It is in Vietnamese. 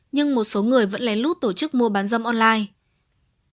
nhưng một số người vẫn lén lút tổ chức mua bán dâm online